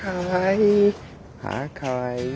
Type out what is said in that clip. かわいい。